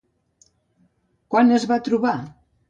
Quan es va trobar?